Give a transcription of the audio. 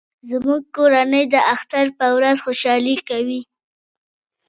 زموږ کورنۍ د اختر په ورځ خوشحالي کوي